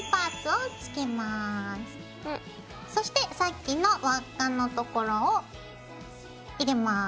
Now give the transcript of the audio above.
そしてさっきの輪っかの所を入れます。